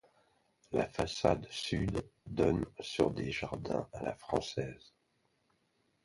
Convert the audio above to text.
La façade sud donne sur des jardins à la française.